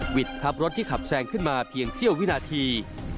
วิทย์ทับรถที่ขับแซงขึ้นมาเพียงเสี้ยววินาที